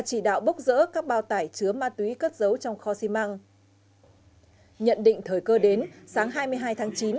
phúc giỡn các bao tải chứa ma túy cất dấu trong kho xi măng nhận định thời cơ đến sáng hai mươi hai tháng chín